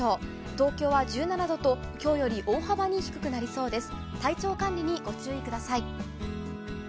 東京は１７度と今日より大幅に低くなりそうです。